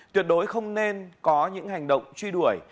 tuyệt đối không nên có những hành động truy đuổi